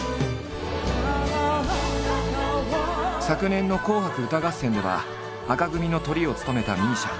昨年の「紅白歌合戦」では紅組のトリを務めたＭＩＳＩＡ。